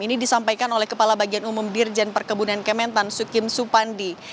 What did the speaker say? ini disampaikan oleh kepala bagian umum dirjen perkebunan kementan sukim supandi